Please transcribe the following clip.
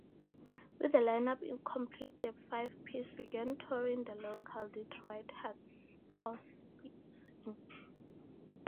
With the line-up complete the five piece began touring the local Detroit hardcore scene.